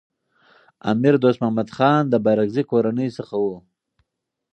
امیر دوست محمد خان د بارکزايي کورنۍ څخه و.